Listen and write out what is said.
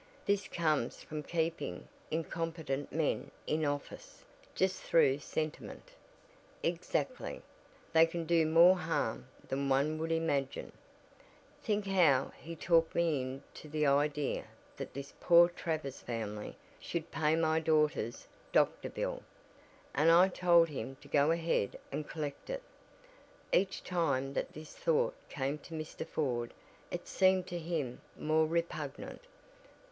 This comes from keeping incompetent men in office just through sentiment." "Exactly. They can do more harm than one would imagine. Think how he talked me into the idea that this poor Travers family should pay my daughter's doctor bill! And I told him to go ahead and collect it!" Each time that this thought came to Mr. Ford it seemed to him more repugnant.